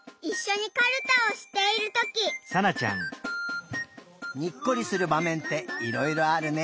にっこりするばめんっていろいろあるね。